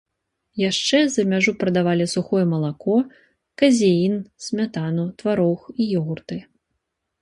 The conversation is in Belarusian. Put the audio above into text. Яшчэ за мяжу прадавалі сухое малако, казеін, смятану, тварог і ёгурты.